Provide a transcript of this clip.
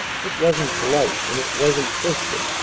It wasn't polite, and it wasn't Christian.